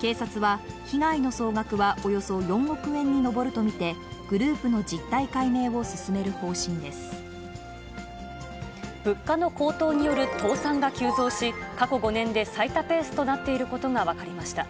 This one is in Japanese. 警察は、被害の総額はおよそ４億円に上ると見て、グループの実態解明を進物価の高騰による倒産が急増し、過去５年で最多ペースとなっていることが分かりました。